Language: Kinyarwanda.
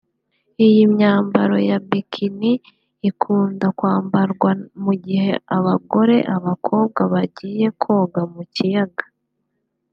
Iyi myambaro ya Bikini ikunda kwambarwa mu gihe abagore/abakobwa bagiye koga mu kiyaga